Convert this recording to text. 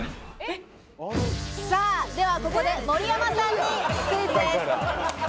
ではここで盛山さんにクイズです。